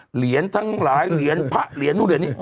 เหรียญทั้งหลาย